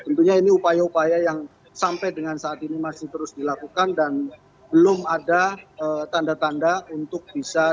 tentunya ini upaya upaya yang sampai dengan saat ini masih terus dilakukan dan belum ada tanda tanda untuk bisa